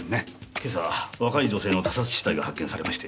今朝若い女性の他殺死体が発見されまして。